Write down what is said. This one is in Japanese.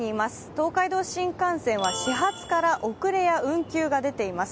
東海道新幹線は始発から遅れや運休が出ています。